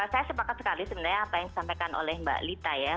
saya sepakat sekali sebenarnya apa yang disampaikan oleh mbak lita ya